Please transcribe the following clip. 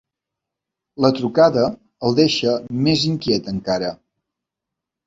La trucada el deixa més inquiet encara.